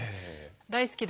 「大好きだ。